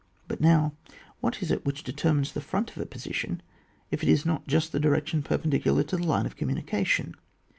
But now, what is it which determines the front of a position, if it is not just the direction perpendicular to the line of communication